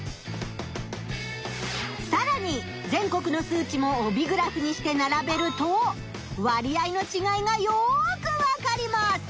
さらに全国の数値も帯グラフにしてならべると割合のちがいがよくわかります！